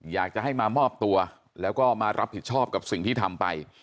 อยากจะให้มามอบตัวแล้วก็มารับผิดชอบกับสิ่งที่ทำไป